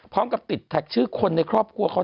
พร้อมกับติดแท็กชื่อคนในครอบครัวเขา